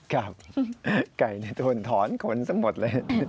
ครับไก่โดนถอนขนสักหมดเลย